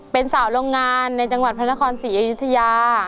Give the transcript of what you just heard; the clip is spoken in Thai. เป็นสาวโรงงานในจังหวัดพระนครศรีอยุธยา